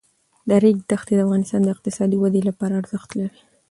د ریګ دښتې د افغانستان د اقتصادي ودې لپاره ارزښت لري.